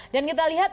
dan kita lihat